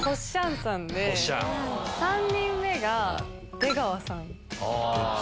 さんで、３人目が出川さん。